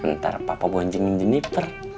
ntar papa boncingin jeniper